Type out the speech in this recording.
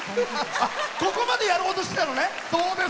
ここまでやろうとしてたのね！